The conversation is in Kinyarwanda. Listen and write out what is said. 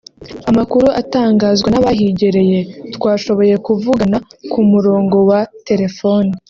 Amakuru atangazwa n’abahigereye twashoboye kuvugana ku murongo wa telefone